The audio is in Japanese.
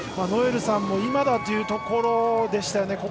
ノエルさんも今だというところでしたね。